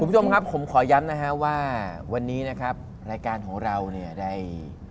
คุณผู้ชมครับผมขอย้ำนะฮะว่าวันนี้นะครับรายการของเราเนี่ยได้